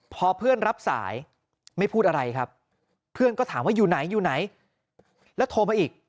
พอเพื่อนรับสายไม่พูดอะไรครับเพื่อนก็ถามว่าอยู่ไหนอยู่ไหนแล้วโทรมาอีก